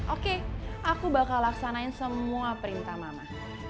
oke aku bakal laksanain semua perintah mama